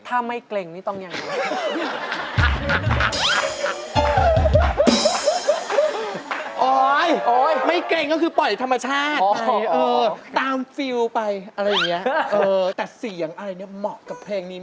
ถ้าไม่เกร็งนี่ต้องอย่างนี้